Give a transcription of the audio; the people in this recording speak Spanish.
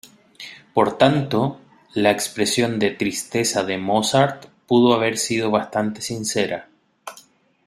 Por tanto, la expresión de tristeza de Mozart pudo haber sido bastante sincera.